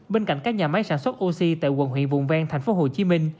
bên cạnh các nhà máy sản xuất oxy tại quận huyện vùng vang tp hcm